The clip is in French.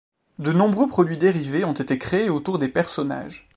De nombreux produits dérivés ont été créés autour des personnages.